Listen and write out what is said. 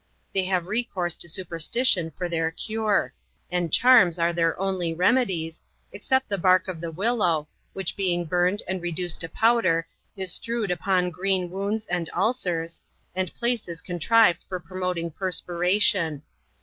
They have recourse to superstition for their care; and charms are their only remedies, except the bark of the willow, which being burned and reduced to pow der is str&wed upon green wounds and ulcers, and places con , trived for promoting perspiration.